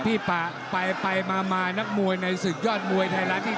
พี่ป่าไปไปมามานักมวยในสุดยอดมวยไทยรัฐนี่